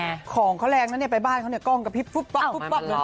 อุ้ยของเขาแรงนะเนี่ยไปบ้านเขาเนี่ยกล้องกระพริบฟุ๊บป๊อบฟุ๊บป๊อบ